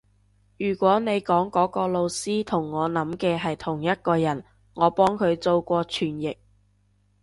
如果你講嗰個老師同我諗嘅係同一個人，我幫佢做過傳譯